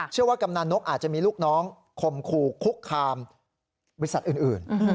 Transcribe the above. เชื่อว่ากำหน้านกอาจจะมีลูกน้องคมคูคุกคามบริษัทอื่น